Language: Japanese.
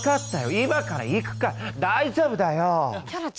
今から行くから大丈夫だよ。